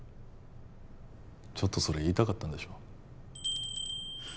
ちょっとそれ言いたかったんでしょ？